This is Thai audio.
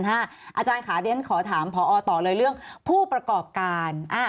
อาจารย์ค่ะเรียนขอถามพอต่อเลยเรื่องผู้ประกอบการ